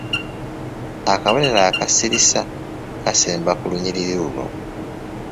Akabonero akasirisa akasemba ku lunyiriri luno.